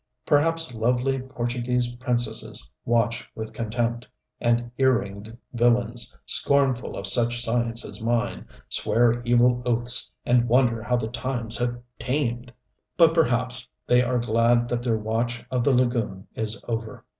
Perhaps lovely Portuguese princesses watch with contempt; and ear ringed villains, scornful of such science as mine, swear evil oaths and wonder how the times have tamed! But perhaps they are glad that their watch of the lagoon is over!